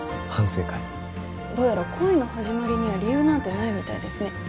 どうやら恋の始まりには理由なんてないみたいですね